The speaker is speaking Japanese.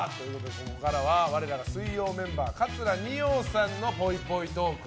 ここからは我らが水曜メンバー桂二葉さんのぽいぽいトーク。